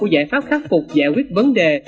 giải quyết vấn đề